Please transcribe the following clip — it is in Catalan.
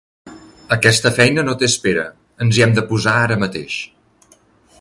Aquesta feina no té espera: ens hi hem de posar ara mateix.